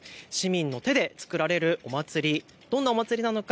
市民の手で作られるお祭り、どんなお祭りなのか